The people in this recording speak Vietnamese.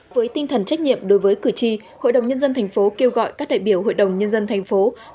với tinh thần trách nhiệm đối với cử tri hội đồng nhân dân tp hcm kêu gọi các đại biểu hội đồng nhân dân tp hcm